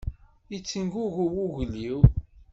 Yettengugu wugel-iw.